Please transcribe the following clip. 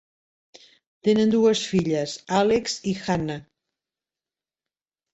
Tenen dues filles, Alex i Hannah.